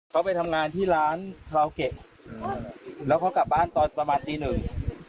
เขาไปทำงานที่ร้านคาราโอเกะแล้วเขากลับบ้านตอนประมาณตีหนึ่ง